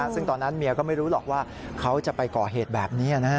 ซึ่งตอนนั้นเมียก็ไม่รู้หรอกว่าเขาจะไปก่อเหตุแบบนี้